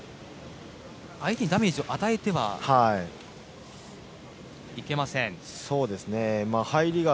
相手にダメージを与えてはいけません。